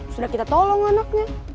sudah kita tolong anaknya